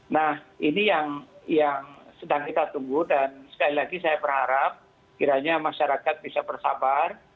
nah ini yang sedang kita tunggu dan sekali lagi saya berharap kiranya masyarakat bisa bersabar